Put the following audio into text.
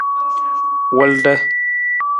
Wulda.